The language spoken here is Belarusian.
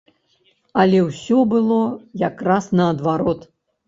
Але ўсё было якраз наадварот.